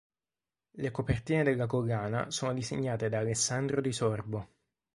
Le copertine della collana sono disegnate da Alessandro Di Sorbo.